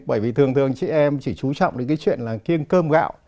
bởi vì thường thường chị em chỉ trú trọng đến cái chuyện là kiêng cơm gạo